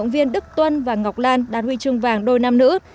viên đức tuân và ngọc lan đạt huy chương vàng đôi nam nữ